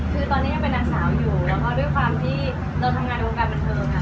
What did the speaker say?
คือตอนนี้ยังเป็นนางสาวอยู่แล้วก็ด้วยความที่เราทำงานในวงการบันเทิงค่ะ